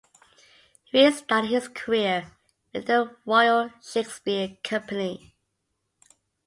Rees started his career with the Royal Shakespeare Company.